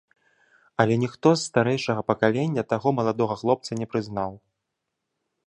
Але ніхто з старэйшага пакалення таго маладога хлопца не прызнаў.